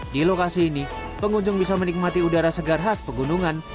di lokasi ini pengunjung bisa menikmati udara segar khas pegunungan